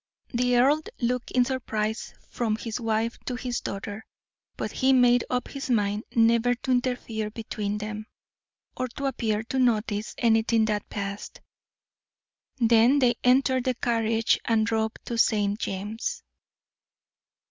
The earl looked in surprise from his wife to his daughter, but he made up his mind never to interfere between them, or to appear to notice anything that passed. Then they entered the carriage and drove to St. James'.